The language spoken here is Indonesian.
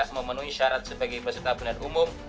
memenuhi syarat sebagai peserta pemilihan umum